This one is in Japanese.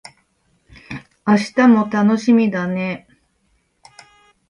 明日も楽しみだね